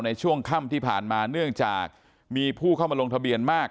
ในช่วงค่ำที่ผ่านมาเนื่องจากมีผู้เข้ามาลงทะเบียนมาก